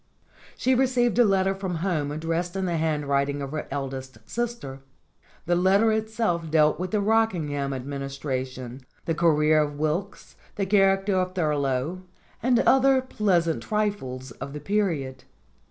She received a letter from home addressed in the hand writing of her eldest sister. The letter itself dealt with the Rockingham Administration, the career of Wilkes, the character of Thurlow, and other pleasant trifles of the period.